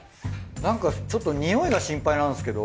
なんかちょっとニオイが心配なんですけど。